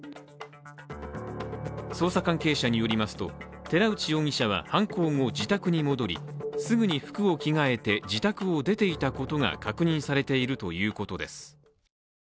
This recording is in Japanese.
捜査関係者によりますと寺内容疑者は犯行後自宅に戻り、すぐに服を着替えて自宅を出ていたことが確認されているということです。